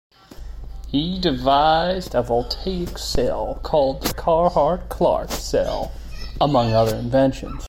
He devised a voltaic cell called the Carhart-Clark cell, among other inventions.